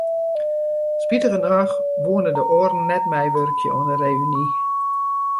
Spitigernôch woene de oaren net meiwurkje oan de reüny.